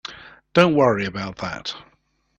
Don't worry about that.